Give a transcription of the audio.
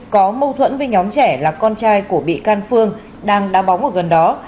có mâu thuẫn với nhóm trẻ là con trai của bị can phương đang đá bóng ở gần đó